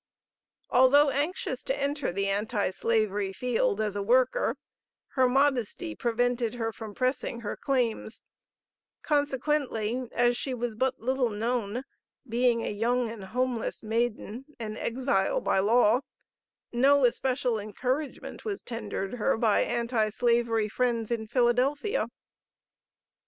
Although anxious to enter the Anti Slavery field as a worker, her modesty prevented her from pressing her claims; consequently as she was but little known, being a young and homeless maiden (an exile by law), no especial encouragement was tendered her by Anti Slavery friends in Philadelphia.